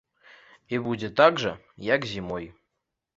І будзе так жа, як і зімой.